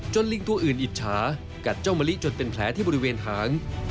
ลิงตัวอื่นอิจฉากัดเจ้ามะลิจนเป็นแผลที่บริเวณหาง